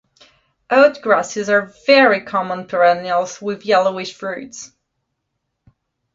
Oatgrasses are very common perennials with yellowish roots.